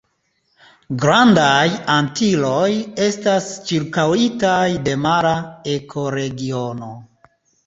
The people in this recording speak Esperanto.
Grandaj Antiloj estas ĉirkaŭitaj de mara ekoregiono.